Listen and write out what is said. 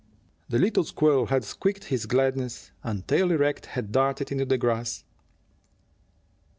The little squirrel had squeaked his gladness, and, tail erect, had darted into the grass.